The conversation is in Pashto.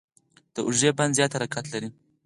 د اوږې بند زیات حرکت لري.